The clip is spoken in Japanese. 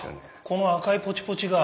この赤いポチポチが。